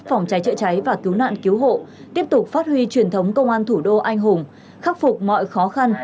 phòng cháy chữa cháy và cứu nạn cứu hộ tiếp tục phát huy truyền thống công an thủ đô anh hùng khắc phục mọi khó khăn